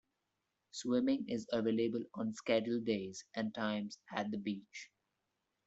Swimming is available on scheduled days and times at the beach.